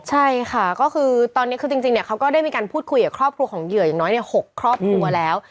ใช่ค่ะก็คือตอนนี้คือจริงเขาก็ได้มีการพูดคุยกับครอบครัวของเหยื่ออย่างน้อย๖ครอบครัวแล้ว